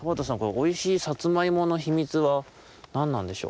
おいしいさつまいものひみつはなんなんでしょう。